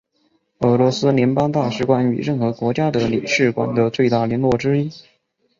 俄罗斯联邦大使馆与任何国家的领事馆的最大的联络之一。